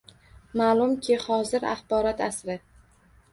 Ma’lumki, hozir axborot asri.